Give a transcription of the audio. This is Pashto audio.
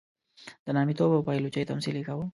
د نامیتوب او پایلوچۍ تمثیل یې کاوه.